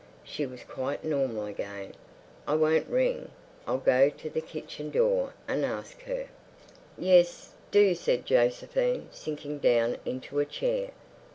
She was quite normal again. "I won't ring. I'll go to the kitchen door and ask her." "Yes, do," said Josephine, sinking down into a chair.